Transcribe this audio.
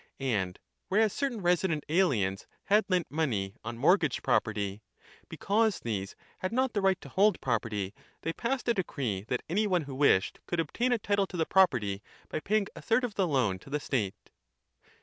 And whereas certain resident aliens had lent money on mortgaged I347 a property, because these had not the right to hold property, they passed a decree that any one who wished could obtain a title to the property by paying a third of the loan to the state.